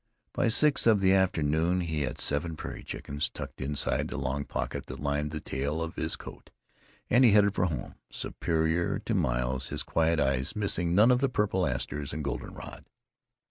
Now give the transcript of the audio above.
By six of the afternoon he had seven prairie chickens tucked inside the long pocket that lined the tail of his coat, and he headed for home, superior to miles, his quiet eyes missing none of the purple asters and goldenrod.